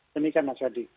demikian mas wadi